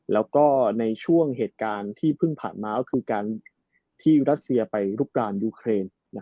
แล้วก็ในช่วงเหตุการณ์ที่เพิ่งผ่านมาก็คือการที่รัสเซียไปรูปรานยูเครน